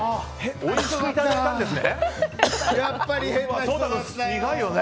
おいしくいただいたんですね。